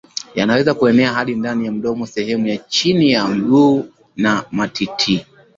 yanaweza kuenea hadi ndani ya mdomo sehemu za chini ya miguu na matiti